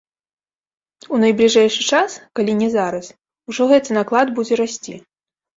У найбліжэйшы час, калі не зараз, ужо гэты наклад будзе расці.